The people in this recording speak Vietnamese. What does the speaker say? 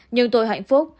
nhưng tôi hạnh phúc